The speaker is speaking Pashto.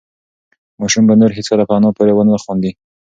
ماشوم به نور هېڅکله په انا پورې ونه خاندي.